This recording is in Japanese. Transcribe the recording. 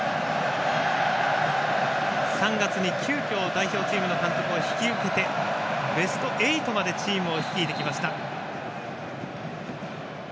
３月に急きょ代表チームの監督を引き受けてベスト８までチームを率いてきました。